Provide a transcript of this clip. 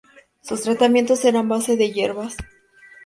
Sus tratamientos eran a base de hierbas.